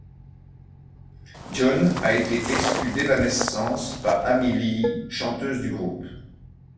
John a été exclu d'Evanescence par Amy Lee, chanteuse du groupe.